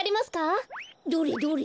どれどれ？